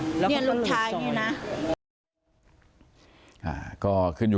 ก็ขึ้นอยู่กันแล้วครับ